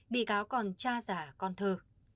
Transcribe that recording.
bị cáo còn cha giả con thơ